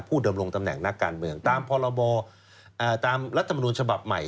ดำรงตำแหน่งนักการเมืองตามพรบตามรัฐมนุนฉบับใหม่